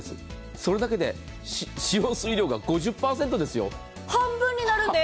それだけで使用水量が半分なんです。